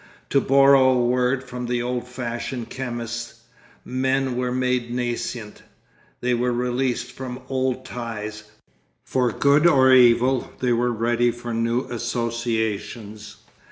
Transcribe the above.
To borrow a word from the old fashioned chemists, men were made nascent; they were released from old ties; for good or evil they were ready for new associations.